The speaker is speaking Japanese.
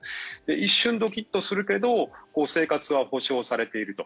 一瞬、ドキッとするけど生活は保障されていると。